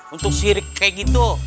untuk sirik kayak gitu